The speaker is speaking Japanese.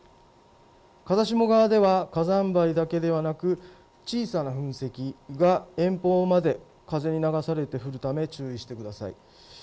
風下側では火山灰だけではなく小さな噴石が遠方まで風に流されて降るため注意してください。